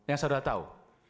yang saya sudah tahu